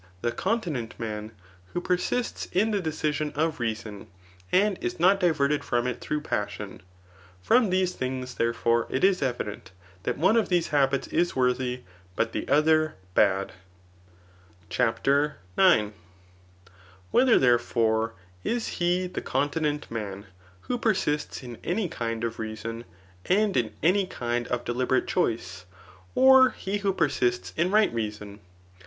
the continent man,] who persists [in the deci aon of reason,] and is not diverted from it through pas* ^n. From these things, therefore, it is evident, that one of these habits is worthy, but the other bad. Digitized by Google S70 THE NICOMACHEAK BOOK Vlf* CHAPTER IX. Wh£THer, therefore, is he the continent man, who per sists in any kind of reason, and in any kind of deliberate choice, or he who persists in right reason